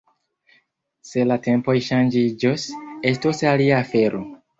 Se la tempoj ŝanĝiĝos, estos alia afero.